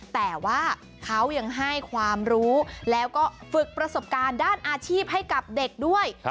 แต่ว่าเขายังให้ความรู้แล้วก็ฝึกประสบการณ์ด้านอาชีพให้กับเด็กด้วย